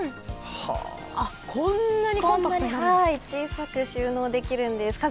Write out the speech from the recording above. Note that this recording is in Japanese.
こんなに小さく収納できるんです。